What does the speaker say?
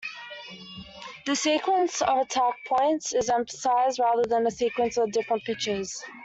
The sequence of attack-points is emphasized, rather than a sequence of different pitches.